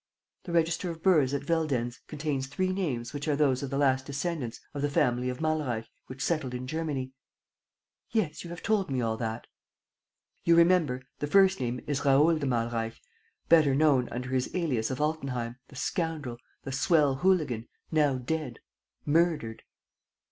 "The register of births at Veldenz contains three names which are those of the last descendants of the family of Malreich, which settled in Germany. ..." "Yes, you have told me all that. ..." "You remember, the first name is Raoul de Malreich, better known under his alias of Altenheim, the scoundrel, the swell hooligan, now dead ... murdered."